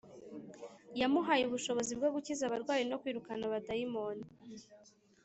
yamuhaye ubushobozi bwo gukiza abarwayi no kwirukana abadayimoni